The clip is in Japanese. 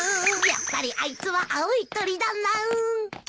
やっぱりあいつは青い鳥だな。